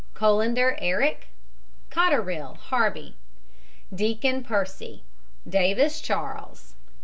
COLANDER, ERIC. COTTERILL, HARBY. DEACON, PERCY. DAVIS, CHARLES.